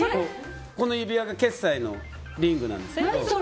この指輪が決済のリングなんです。